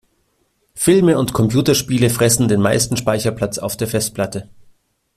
Filme und Computerspiele fressen den meisten Speicherplatz auf der Festplatte.